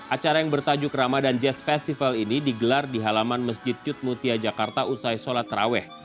acara yang bertajuk ramadan jazz festival ini digelar di halaman masjid cutmutia jakarta usai sholat terawih